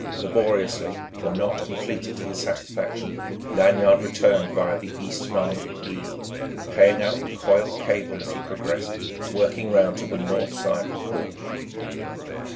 Laboriously the knot completed to his satisfaction Lanyard returned via the eastern arm of the E, paying out the coiled cable as he progressed, working round to the north side of the court.